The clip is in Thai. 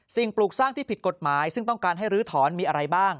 ปลูกสร้างที่ผิดกฎหมายซึ่งต้องการให้ลื้อถอนมีอะไรบ้าง